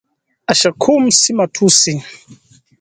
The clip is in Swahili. ashakum si matusi